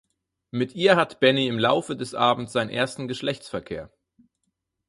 Mit ihr hat Benni im Laufe des Abends seinen ersten Geschlechtsverkehr.